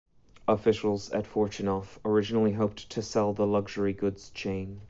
Officials at Fortunoff originally hoped to sell the luxury-goods chain.